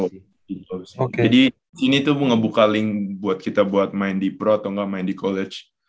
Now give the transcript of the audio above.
jadi ini tuh ngebuka link buat kita buat main di pro atau enggak main di college